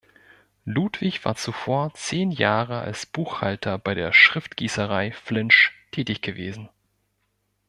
Ludwig war zuvor zehn Jahre als Buchhalter bei der Schriftgießerei Flinsch tätig gewesen.